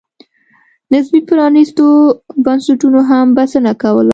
نسبي پرانېستو بنسټونو هم بسنه کوله.